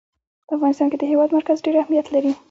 په افغانستان کې د هېواد مرکز ډېر اهمیت لري.